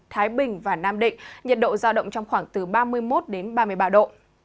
thái bình và nam định nhiệt độ ra động trong khoảng từ ba mươi một ba mươi ba độ